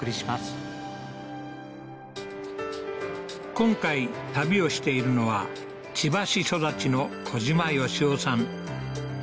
今回旅をしているのは千葉市育ちの小島よしおさん